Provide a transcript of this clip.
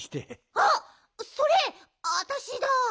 あっそれあたしだ。